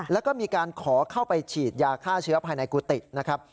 แล้วก็มีการขอเข้าไปฉีดยาฆ่าเชื้อภายในกุฏินะครับ